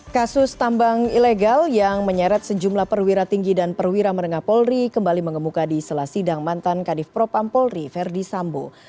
kasus tambang ilegal yang menyeret sejumlah perwira tinggi dan perwira merengah polri kembali mengemuka di selasidang mantan kadif propampolri verdi sambo